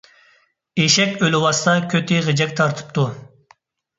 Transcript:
ئېشەك ئۆلۈۋاتسا كۆتى غىجەك تارتىپتۇ.